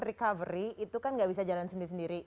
recovery itu kan gak bisa jalan sendiri sendiri